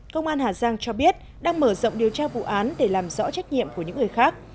công an hà giang cho biết đang mở rộng điều tra vụ án để làm rõ trách nhiệm của những người khác